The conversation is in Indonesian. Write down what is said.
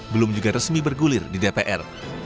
belum juga resmi bergulir di dpr